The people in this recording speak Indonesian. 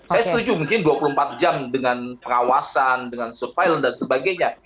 saya setuju mungkin dua puluh empat jam dengan pengawasan dengan surveillance dan sebagainya